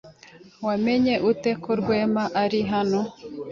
Wamenye ute ko Rwema ari hano?